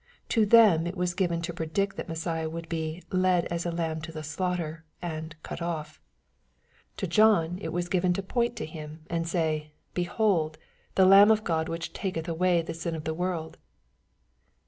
— To them if was given to predict that Messiah would be " led as a lamb to the sla^ighter," and " cut off." To John it was given to MATTHBW, CHAP. XI. Ill point to Him, and say, ^^ Behold the Lamb of God which taketh away the sin of the world."